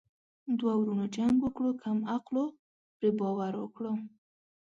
دوه ورونو جنګ وکړو کم عقلو پري باور وکړو.